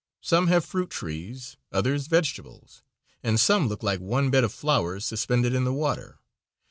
Some have fruit trees, others vegetables and some look like one bed of flowers suspended in the water.